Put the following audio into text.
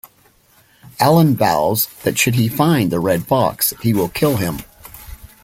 Alan vows that should he find the "Red Fox" he will kill him.